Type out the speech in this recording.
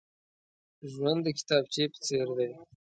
ژوند د کتابچې په څېر دی.